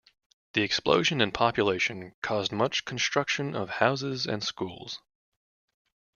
The explosion in population caused much construction of houses and schools.